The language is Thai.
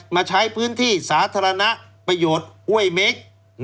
มาใช้พื้นที่สาธารณะประโยชน์ห้วยเม็ก